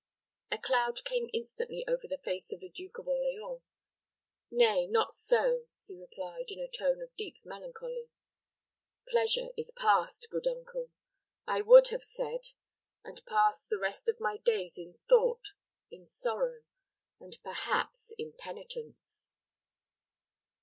A cloud came instantly over the face of the Duke of Orleans. "Nay, not so," he replied, in a tone of deep melancholy. "Pleasure is past, good uncle. I would have said and pass the rest of my days in thought, in sorrow, and perhaps in penitence."